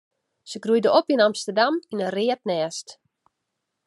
Se groeide op yn Amsterdam yn in read nêst.